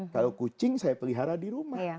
kalau kucing saya pelihara di rumah